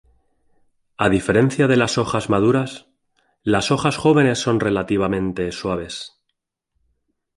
A diferencia de las hojas maduras, las hojas jóvenes son relativamente suaves.